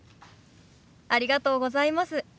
ありがとうございます。